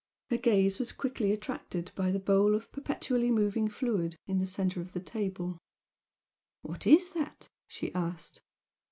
Her gaze was quickly attracted by the bowl of perpetually moving fluid in the center of the table. "What is that?" she asked.